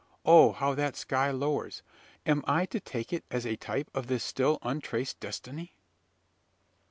Oh! how that sky lowers! Am I to take it as a type of this still untraced destiny?"